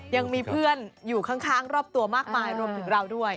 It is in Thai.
ยังมีเพื่อนอยู่ข้างรอบตัวมากมายรวมถึงเราด้วย